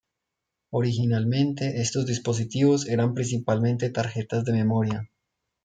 Originalmente estos dispositivos eran principalmente tarjetas de memoria.